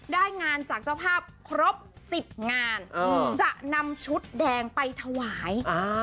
ได้งานจากเจ้าภาพครบ๑๐งานจะนำชุดแดงไปถวาย